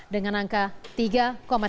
dengan angka tiga tiga juta rupiah